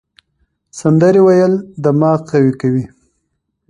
سندرې ویل دماغ قوي کوي.